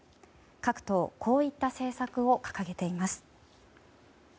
各党こういった政策を掲げています。